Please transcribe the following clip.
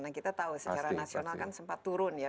nah kita tahu secara nasional kan sempat turun ya